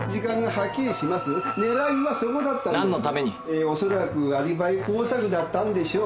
えーおそらくアリバイ工作だったんでしょう。